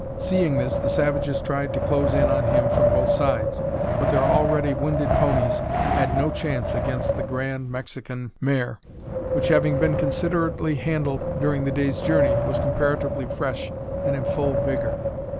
Seeing this, the savages tried to close in on him from both sides, but their already winded ponies had no chance against the grand Mexican mare, which having been considerately handled during the day's journey was comparatively fresh and in full vigour.